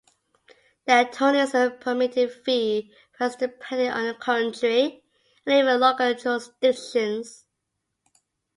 The attorney's permitted fee varies depending on the country, and even local jurisdictions.